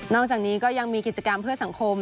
อกจากนี้ก็ยังมีกิจกรรมเพื่อสังคม